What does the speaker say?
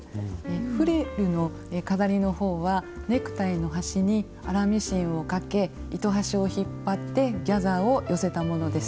フリルの飾りの方はネクタイの端に粗ミシンをかけ糸端を引っ張ってギャザーを寄せたものです。